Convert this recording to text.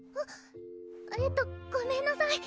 えっとごめんなさい